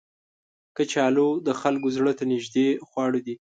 کچالو د خلکو زړه ته نیژدې خواړه دي